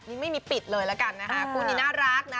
แล้วไม่มีปิดเลยละกันคุณคุณนี้น่ารักนะ